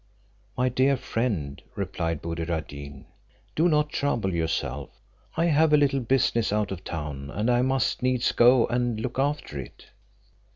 "My dear friend," replied Buddir ad Deen, "do not trouble yourself; I have a little business out of town, and I must needs go and look after it."